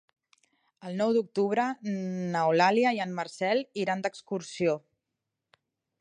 El nou d'octubre n'Eulàlia i en Marcel iran d'excursió.